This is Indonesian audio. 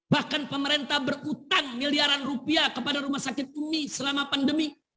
bahkan pemerintah berutang miliaran rupiah kepada rumah sakit umi selama pandemi